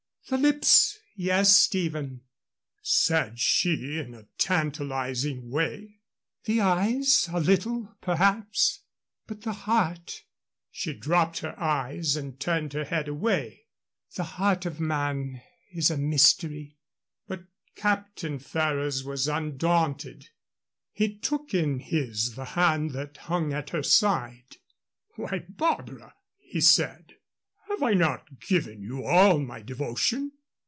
"The lips yes, Stephen," said she, in a tantalizing way; "the eyes a little, perhaps; but the heart" she dropped her eyes and turned her head away "the heart of man is a mystery." But Captain Ferrers was undaunted. He took in his the hand that hung at her side. "Why, Barbara," he said, "have I not given you all my devotion?